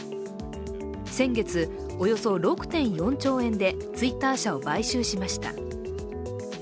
先月、およそ６．４兆円でＴｗｉｔｔｅｒ社を買収しました。